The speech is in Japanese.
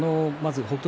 北勝